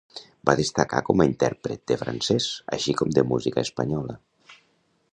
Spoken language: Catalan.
Va destacar com a intèrpret de francès, així com de música espanyola.